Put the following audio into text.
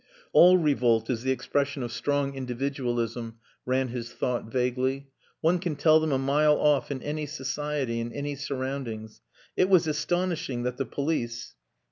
All revolt is the expression of strong individualism ran his thought vaguely. One can tell them a mile off in any society, in any surroundings. It was astonishing that the police....